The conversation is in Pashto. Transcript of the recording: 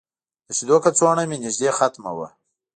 د شیدو کڅوړه مې نږدې ختمه وه.